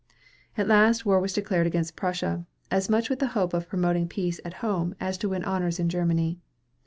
At last war was declared against Prussia, as much with the hope of promoting peace at home as to win honors in Germany.